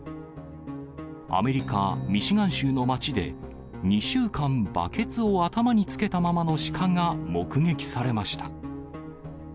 アメリカ・ミシガン州の町で、２週間バケツを頭につけたままのシカが目撃されました。